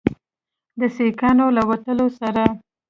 د سیکانو له وتلو سره